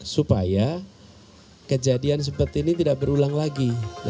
supaya kejadian seperti ini tidak berulang lagi